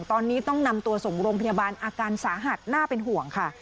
ตอนนี้ต้องนำตัวส่งโรงพยาบาลอาการสาหัสน่าเป็นห่วงค่ะ